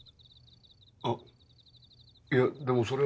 あっいやでもそれは。